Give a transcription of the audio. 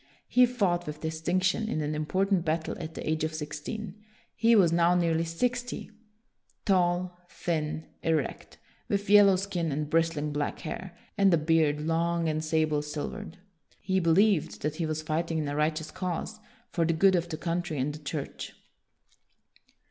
He fought with distinction in an important battle at the age of sixteen. He was now nearly sixty, tall, thin, erect, with yellow skin and bristling black hair, and a beard long and sable silvered. He believed that he was fighting in a right eous cause, for the good of the country and the Church.